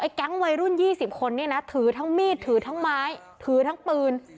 แก๊งวัยรุ่น๒๐คนเนี่ยนะถือทั้งมีดถือทั้งไม้ถือทั้งปืน